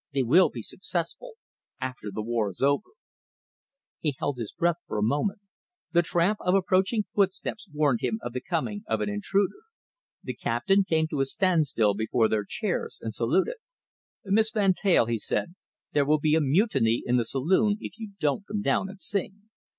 They will be successful. After the war is over " He held his breath for a moment. The tramp of approaching footsteps warned him of the coming of an intruder. The Captain came to a standstill before their chairs and saluted. "Miss Van Teyl," he said, "there will be a mutiny in the saloon if you don't come down and sing."